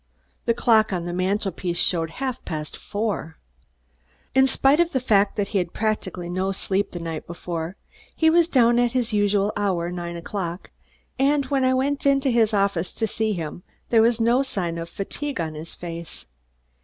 The clock on the mantel piece showed half past four. In spite of the fact he had practically no sleep the night before, he was down at his usual hour, nine o'clock, and when I went into his office to see him, there was no sign of fatigue on his face.